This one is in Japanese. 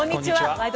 「ワイド！